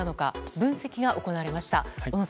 分析が行われました。